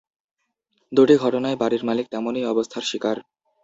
দুটি ঘটনায় বাড়ির মালিক তেমনই অবস্থার শিকার।